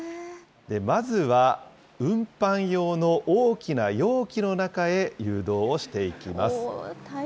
まずは、運搬用の大きな容器の中へ誘導をしていきます。